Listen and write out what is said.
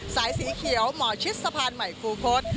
สายสีเขียวหมอชิดสะพานใหม่คูพศ